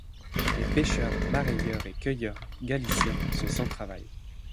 Les pêcheurs, mareyeurs et cueilleurs galiciens sont sans travail.